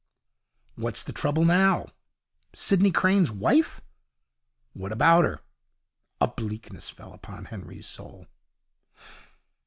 'What's the trouble now?' 'Sidney Crane's wife?' 'What about her?' A bleakness fell upon Henry's soul.